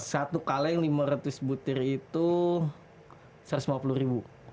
satu kaleng rp lima ratus itu rp satu ratus lima puluh